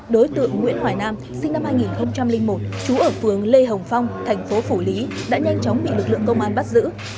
đối tượng nguyễn hoài nam sinh năm hai nghìn một trú ở phường lê hồng phong thành phố phủ lý đã nhanh chóng bị lực lượng công an bắt giữ